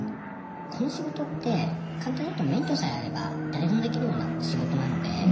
この仕事って簡単に言うと免許さえあれば誰でもできるような仕事なので。